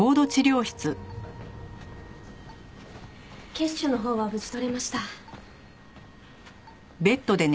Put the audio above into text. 血腫のほうは無事取れました。